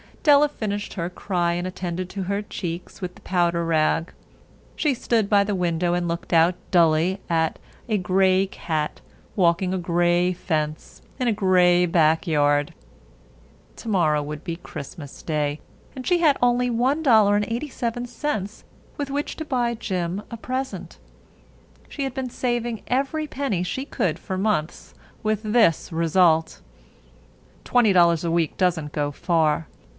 Della finished her cry and attended to her cheeks with the powder rag. She stood by the window and looked out dully at a gray cat walking a gray fence in a gray backyard. Tomorrow would be Christmas Day, and she had only $1.87 with which to buy Jim a present. She had been saving every penny she could for months, with this result. Twenty dollars a week doesn't go far.